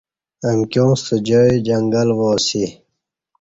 امکیاں ستہ جائی جنگل وا اسی۔